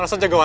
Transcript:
k santa fe